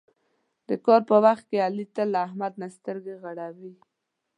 د کار په وخت کې علي تل له احمد نه سترګې غړوي.